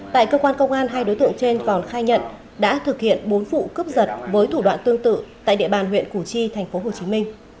tại cơ quan công an hai đối tượng trên còn khai nhận đã thực hiện bốn vụ cướp giật với thủ đoạn tương tự tại địa bàn huyện củ chi tp hcm